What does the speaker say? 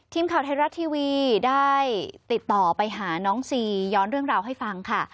ทีมข่าวไทยรัฐทีวีได้ติดต่อไปหาน้องซีย้อนเรื่องราวให้ฟังค่ะ